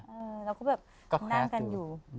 เราก็แบบนั่งกันอยู่